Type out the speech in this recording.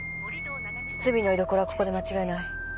堤の居所はここで間違いない。